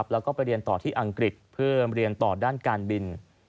แล้วก็ไปเรียนต่อที่อังกฤษเพื่อเรียนต่อด้านการบิน